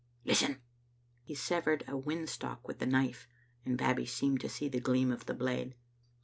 Listen!" He severed a whin stalk with the knife, and Babbie seemed to see the gleam of the blade.